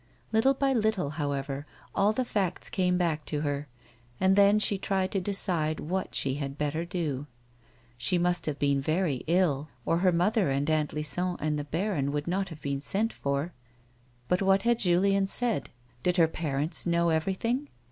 Little by little, however, all the facts came back to her, and then she tried to decide what she had better do. She must have been very ill, or her mother and Aunt Lison and the baron would not have been sent for; but what had Julien said? Did her parents know everything'?